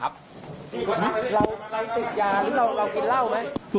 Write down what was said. รู้สึกผิดไหม